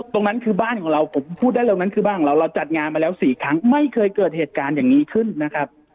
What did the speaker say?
ตรงนั้นคือบ้านของเราผมพูดได้แล้วและจัดงานมาแล้ว๔ครั้งไม่เคยเกิดเหตุการณ์อย่างนี้ขึ้นนะครับ